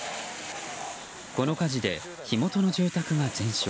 この火事で火元の住宅が全焼。